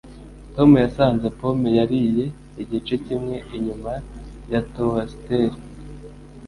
Tom yasanze pome yariye igice kimwe inyuma ya toasteri.